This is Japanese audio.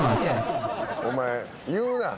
お前言うな。